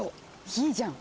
いいじゃん！